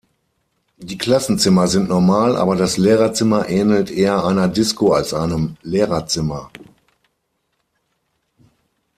Die Klassenzimmer sind normal, aber das Lehrerzimmer ähnelt eher einer Disco als einem Lehrerzimmer.